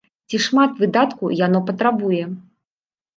Ці шмат выдаткаў яно патрабуе?